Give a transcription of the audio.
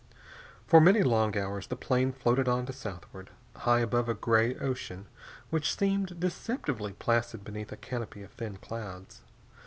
For many long hours the plane floated on to southward, high above a gray ocean which seemed deceptively placid beneath a canopy of thin clouds.